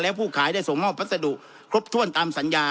และผู้ขายได้ส่งมอบพัสดุครบถ้วนตามสัญญา